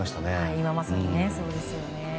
今まさにそうですよね。